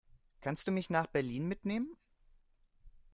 Kannst du mich nach Berlin mitnehmen?